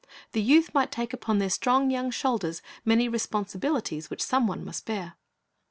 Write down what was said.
The youth might take upon their strong young shoulders many responsibilities which some one must bear.